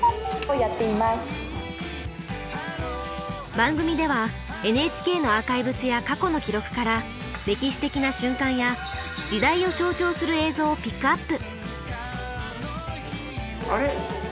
番組ではＮＨＫのアーカイブスや過去の記録から歴史的な瞬間や時代を象徴する映像をピックアップ。